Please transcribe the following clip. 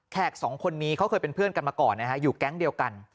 สองคนนี้เขาเคยเป็นเพื่อนกันมาก่อนนะฮะอยู่แก๊งเดียวกัน